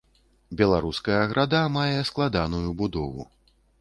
Беларуская града мае складаную будову.